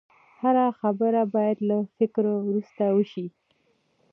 هره خبره باید له فکرو وروسته وشي